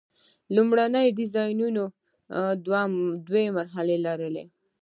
لومړني ډیزاینونه دوه مرحلې لري.